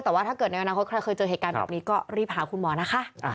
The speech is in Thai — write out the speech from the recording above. แต่ว่าถ้าเกิดในอนาคตใครเคยเจอเหตุการณ์แบบนี้ก็รีบหาคุณหมอนะคะ